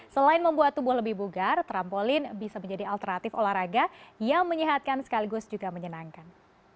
selain membuat tubuh lebih bugar trampolin bisa menjadi alternatif olahraga yang menyehatkan sekaligus juga menyenangkan